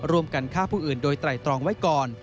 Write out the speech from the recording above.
ร่วมกันฆ่าผู้อื่นโดยไตรตรองไว้ก่อน